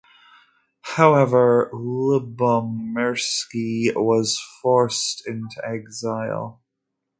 However, Lubomirski was forced into exile.